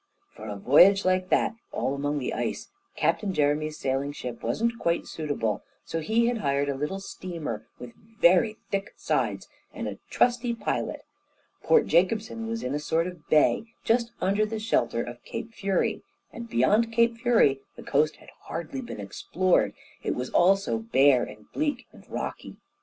For a voyage like that, all among the ice, Captain Jeremy's sailing ship wasn't quite suitable, so he had hired a little steamer with very thick sides, and a trusty pilot. Port Jacobson was in a sort of bay just under the shelter of Cape Fury, and beyond Cape Fury the coast had hardly been explored, it was all so bare and bleak and rocky.